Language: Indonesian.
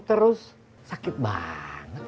terus sakit banget